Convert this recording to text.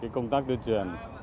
công tác tuyên truyền